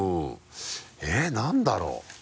えっ何だろう？